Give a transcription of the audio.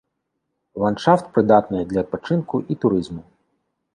Ландшафт прыдатны для адпачынку і турызму.